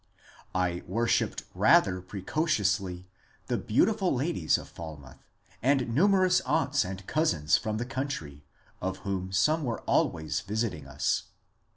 I worshipped rather precociously the beautiful ladies of Fal mouth, and numerous aunts and cousins from the country, of whom some were always visiting us.